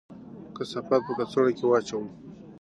کثافات په کڅوړه کې واچوئ.